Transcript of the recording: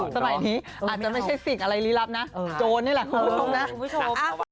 สมัยนี้อาจจะไม่ใช่สิทธิ์อะไรลี้ลับนะโจรนี่แหละ